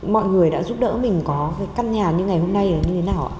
mọi người đã giúp đỡ mình có cái căn nhà như ngày hôm nay là như thế nào ạ